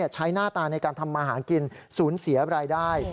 หน้าตาในการทำมาหากินสูญเสียรายได้